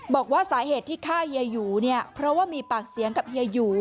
บอกว่าสาเหตุที่ฆ่าเฮียหยูเนี่ยเพราะว่ามีปากเสียงกับเฮียหยู